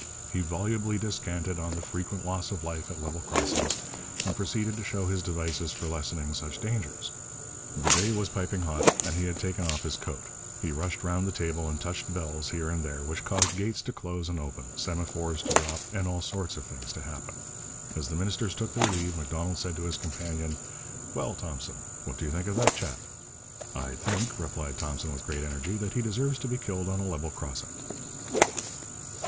He volubly descanted on the frequent loss of life at level crossings and proceeded to show his devices for lessening such dangers. The day was piping hot and he had taken off his coat. He rushed round the table and touched bells here and there, which caused gates to close and open, semaphores to drop, and all sorts of things to happen. As the ministers took their leave, Macdonald said to his companion, 'Well, Thompson, what do you think of that chap?' 'I think,' replied Thompson with great energy, 'that he deserves to be killed on a level crossing.'